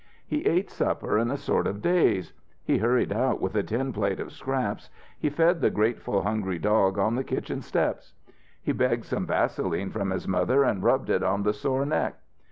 He ate supper in a sort of haze; he hurried out with a tin plate of scraps; he fed the grateful, hungry dog on the kitchen steps. He begged some vaseline from his mother and rubbed it on the sore neck.